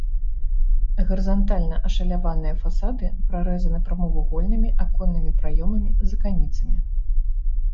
Гарызантальна ашаляваныя фасады прарэзаны прамавугольнымі аконнымі праёмамі з аканіцамі.